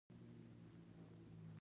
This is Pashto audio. افقي ګولایي د سرک مسیر ته بدلون ورکوي